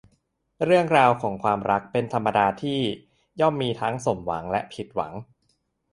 เรื่องราวของความรักเป็นธรรมดาที่ย่อมมีทั้งสมหวังและผิดหวัง